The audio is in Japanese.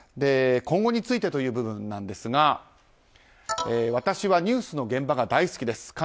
今後についてという部分ですが私はニュースの現場が大好きです。